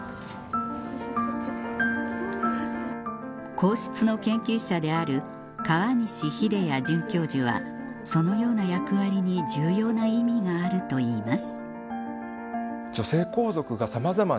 皇室の研究者であるはそのような役割に重要な意味があるといいます